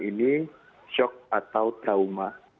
ini shock atau trauma